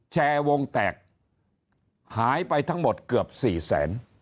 แชร์วงแตกหายไปทั้งหมดเกือบสี่แสน